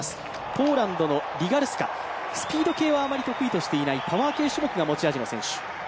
ポーランドのリガルスカ、スピード系は余り得意としていないパワー系種目が持ち味の選手。